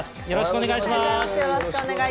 よろしくお願いします。